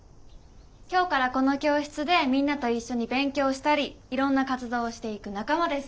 今日からこの教室でみんなと一緒に勉強したりいろんな活動をしていく仲間です。